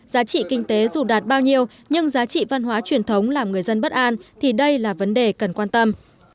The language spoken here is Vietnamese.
giá trị kinh tế dù đạt bao nhiêu nhưng giá trị văn hóa truyền thống làm người dân bất an thì đây là vấn đề cần quan tâm